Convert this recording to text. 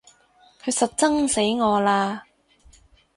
佢實憎死我啦！